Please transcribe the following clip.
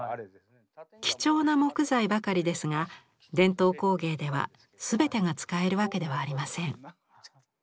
貴重な木材ばかりですが伝統工芸では全てが使えるわけではありません。